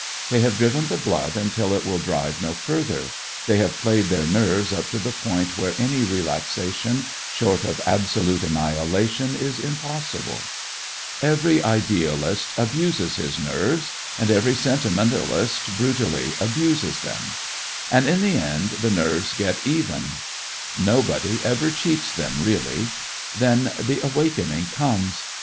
They have driven the blood until it will drive no further, they have played their nerves up to the point where any relaxation short of absolute annihilation is impossible. Every idealist abuses his nerves, and every sentimentalist brutally abuses them. And in the end, the nerves get even. Nobody ever cheats them, really. Then "the awakening" comes.